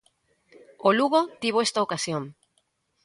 O Lugo tivo esta ocasión.